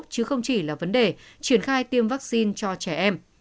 chứ không chỉ là vấn đề triển khai tiêm vaccine cho trẻ em